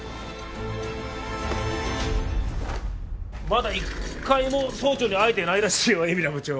まだ１回も総長に会えてないらしいよ海老名部長。